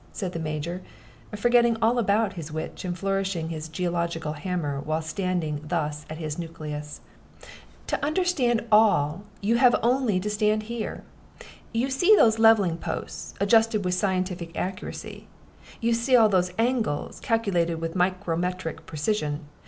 said the Major, forgetting all about his witch, and flourishing his geological hammer, while standing thus at his "nucleus." "To understand all, you have only to stand here. You see those leveling posts, adjusted with scientific accuracy. You see all those angles, calculated with micrometric precision.